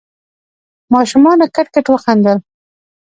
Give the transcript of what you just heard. ماشومانو کټ کټ وخندل.